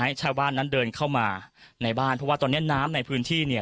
ให้ชาวบ้านนั้นเดินเข้ามาในบ้านเพราะว่าตอนเนี้ยน้ำในพื้นที่เนี่ย